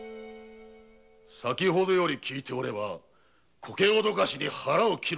先程より聞いておればこけおどかしに腹を切るだと？